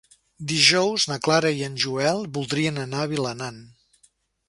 Dijous na Clara i en Joel voldrien anar a Vilanant.